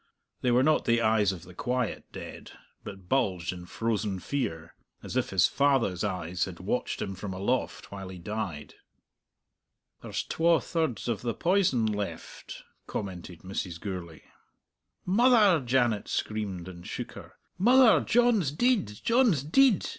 They were not the eyes of the quiet dead, but bulged in frozen fear, as if his father's eyes had watched him from aloft while he died. "There's twa thirds of the poison left," commented Mrs. Gourlay. "Mother!" Janet screamed, and shook her. "Mother, John's deid! John's deid!